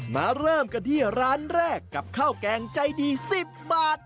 มาเริ่มกันที่ร้านแรกกับข้าวแกงใจดี๑๐บาท